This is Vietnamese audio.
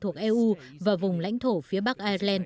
thuộc eu và vùng lãnh thổ phía bắc ireland